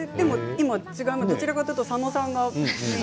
今はどちらかというと佐野さんが。